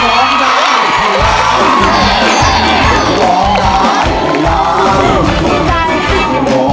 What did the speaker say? นักสู้ชิ้นล้าน